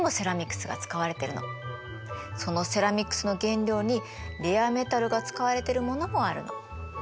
そのセラミックスの原料にレアメタルが使われてるものもあるの。